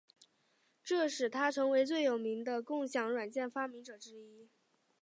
这使他成为最有名的共享软件发明者之一。